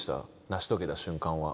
成し遂げた瞬間は。